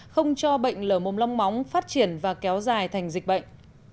không cho bệnh lở mồm long móng phát triển và kéo dài thành dịch bệnh